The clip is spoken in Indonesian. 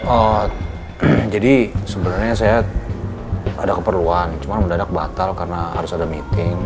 oh jadi sebenernya saya ada keperluan cuman mudah mudahan kebatal karena harus ada meeting